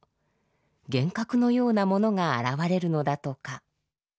幻覚のようなものが現れるのだとか。